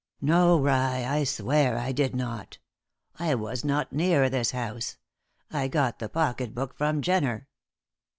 "No, rye, I swear I did not. I was not near this house; I got the pocket book from Jenner."